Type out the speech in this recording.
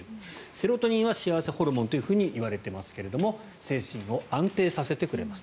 セロトニンは幸せホルモンといわれていますが精神を安定させてくれます。